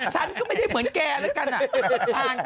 ฉันก็ไม่ได้เหมือนแกรกัน